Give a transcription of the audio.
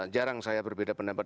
jarang saya berbeda pendapat